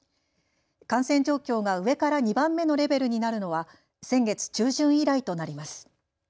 感染状況が上から２番目のレベルになるのは先月中旬以来となります。